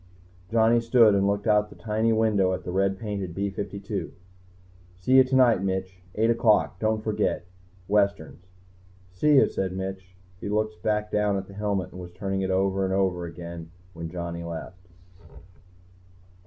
Johnny stood and looked out the tiny window at the red painted B 52. "See you tonight, Mitch. Eight o'clock? Don't forget. Westerns." "See you," said Mitch. He looked back down at the helmet and was turning it over and over again when Johnny left.